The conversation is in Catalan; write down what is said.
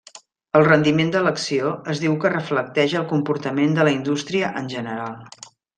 El rendiment de l'acció es diu que reflecteix el comportament de la indústria en general.